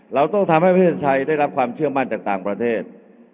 เราต้องทำให้ประเทศไทยได้รับความเชื่อมั่นจากต่างประเทศ